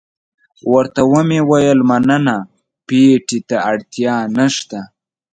ورته ومې ویل مننه، پېټي ته اړتیا نشته.